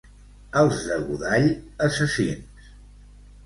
Els de Godall, assassins.